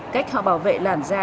cách họ bảo vệ làn da